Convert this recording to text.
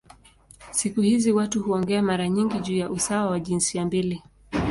Siku hizi watu huongea mara nyingi juu ya usawa wa jinsia mbili.